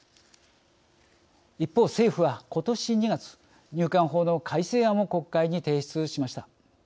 一方政府はことし２月入管法の改正案を国会に提出しました。